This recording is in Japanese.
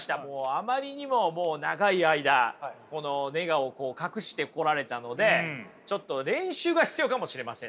あまりにも長い間ネガを隠してこられたのでちょっと練習が必要かもしれませんね。